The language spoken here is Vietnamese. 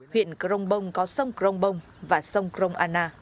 huyện crong bông có sông crong bông và sông krong anna